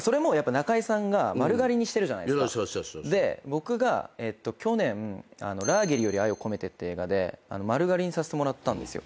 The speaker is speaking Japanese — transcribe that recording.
僕が去年『ラーゲリより愛を込めて』って映画で丸刈りにさせてもらったんですよ。